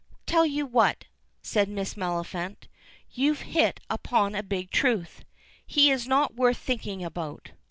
"Tell you what," says Miss Maliphant, "you've hit upon a big truth. He is not worth thinking about.